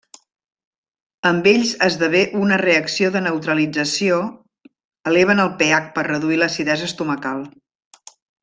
Amb ells esdevé una reacció de neutralització, eleven el pH per a reduir l'acidesa estomacal.